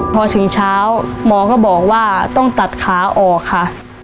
พอถึงเช้าหมอก็บอกว่าต้องตัดขาออกค่ะ